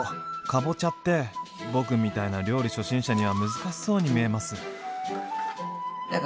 かぼちゃって僕みたいな料理初心者には難しそうに見えます。